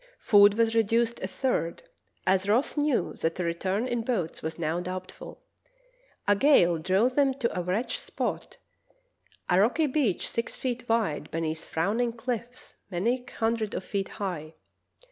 Food was reduced a third, as Ross knew that a return in boats was now doubtful. A gale drove them to a wretched spot, a rocky beach six feet wide beneath frowning chffs many hundreds of feet high.